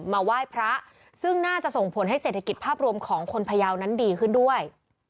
มาไหว้พระซึ่งน่าจะส่งผลให้เศรษฐกิจภาพรวมของคนพยาวนั้นดีขึ้นด้วย